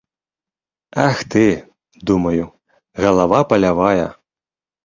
Ах ты, думаю, галава палявая.